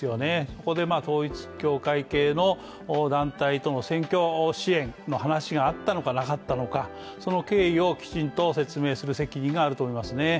そこで統一教会系の団体との選挙支援の話があったのか、なかったのか、その経緯をきちんと説明する責任があると思いますね。